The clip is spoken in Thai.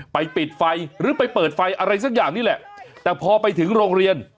ปิดไฟหรือไปเปิดไฟอะไรสักอย่างนี่แหละแต่พอไปถึงโรงเรียน